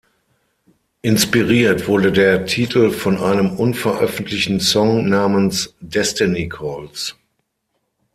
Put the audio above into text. Inspiriert wurde der Titel von einem unveröffentlichten Song namens "Destiny Calls".